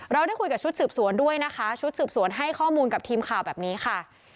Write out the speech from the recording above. ได้คุยกับชุดสืบสวนด้วยนะคะชุดสืบสวนให้ข้อมูลกับทีมข่าวแบบนี้ค่ะ